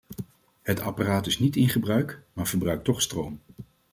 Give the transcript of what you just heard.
Het apparaat is niet in gebruik, maar verbruikt toch stroom.